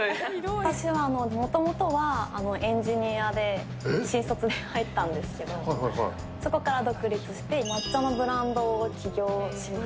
私はもともとはエンジニアで、新卒で入ったんですけれども、そこから独立して、ブランド？